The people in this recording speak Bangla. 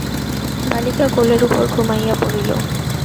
বালিকা কোলের উপর ঘুমাইয়া পড়িল।